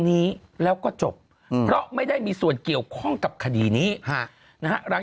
นี้แล้วก็จบเพราะไม่ได้มีส่วนเกี่ยวข้องกับคดีนี้ฮะนะฮะหลัง